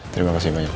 terima kasih banyak